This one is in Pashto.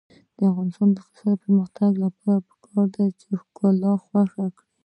د افغانستان د اقتصادي پرمختګ لپاره پکار ده چې ښکلا خوښه کړو.